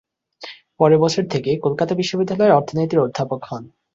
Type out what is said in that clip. পরের বছর থেকে কলকাতা বিশ্ববিদ্যালয়ে অর্থনীতির অধ্যাপক হন।